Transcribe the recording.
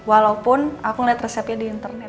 walaupun aku ngeliat resepnya di internet